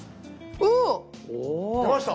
おお！出ました？